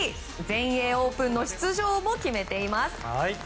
全英オープンの出場も決めています。